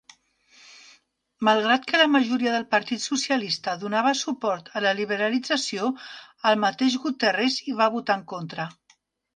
Malgrat que la majoria del partit socialista donava suport a la liberalització, el mateix Guterres hi va votar en contra.